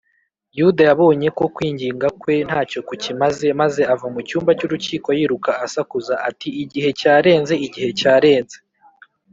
yuda yabonye ko kwinginga kwe ntacyo kukimaze, maze ava mu cyumba cy’urukiko yiruka asakuza ati, igihe cyarenze! igihe cyarenze!